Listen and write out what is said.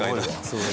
そう。